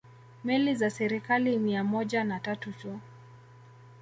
Meli za serikali mia moja na tatu tu